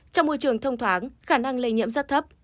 trong môi trường thông thoáng khả năng lây nhiễm rất thấp